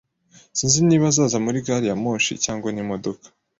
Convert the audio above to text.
Sinzi niba azaza muri gari ya moshi cyangwa n'imodoka.